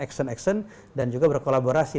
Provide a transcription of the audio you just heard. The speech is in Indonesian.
action action dan juga berkolaborasi